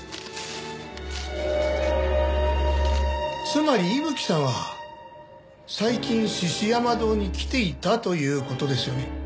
つまり伊吹さんは最近獅子山堂に来ていたという事ですよね。